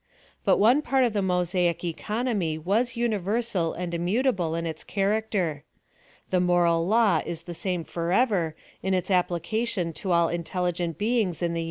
But one part of the Mosaic economy was universal and immutable in its character. The moral law is the same forever in its applicati:)n to all intelligent beings in the uni * See C ap.